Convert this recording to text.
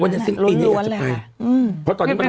อืมเพราะตอนนี้มันนี้เคยบอกมันมีบ่อยว่าปรองไปดูคันหนึ่งในชีวิต